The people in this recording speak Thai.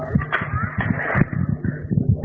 อืม